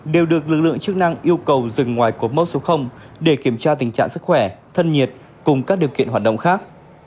đều được lực lượng chức năng yêu cầu dừng ngoài cột mốc số để kiểm tra tình trạng sức khỏe thân nhiệt cùng các điều kiện hoạt động khác